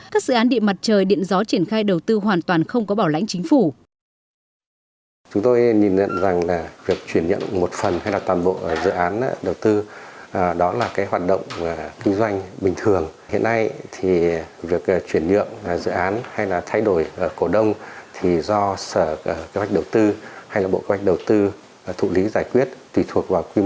các dự án điện mặt trời điện gió triển khai đầu tư hoàn toàn không có bảo lãnh chính phủ